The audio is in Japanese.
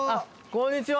こんにちは。